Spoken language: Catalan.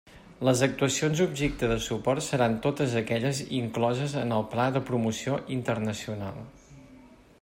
Les actuacions objecte de suport seran totes aquelles incloses en el Pla de Promoció Internacional.